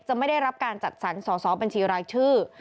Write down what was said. ไม่ได้รับการจัดสรรสอสอบัญชีรายชื่อ